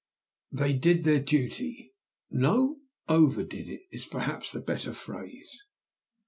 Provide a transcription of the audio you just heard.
They did their duty no, overdid it, is perhaps the better phrase.